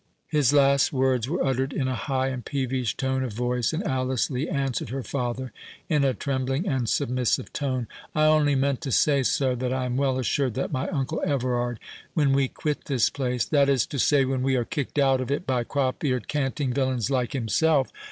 His last words were uttered in a high and peevish tone of voice; and Alice Lee answered her father in a trembling and submissive tone. "I only meant to say, sir, that I am well assured that my uncle Everard, when we quit this place"— "That is to say, when we are kicked out of it by crop eared canting villains like himself.